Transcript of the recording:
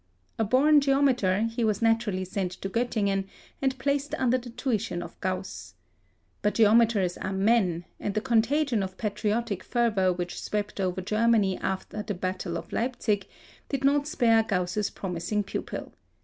A born geometer, he was naturally sent to Göttingen and placed under the tuition of Gauss. But geometers are men; and the contagion of patriotic fervour which swept over Germany after the battle of Leipsic did not spare Gauss's promising pupil.